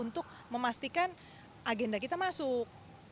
untuk memastikan agenda kita masuk